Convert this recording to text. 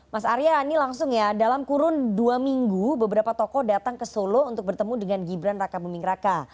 mas arya ini langsung ya dalam kurun dua minggu beberapa tokoh datang ke solo untuk bertemu dengan gibran raka buming raka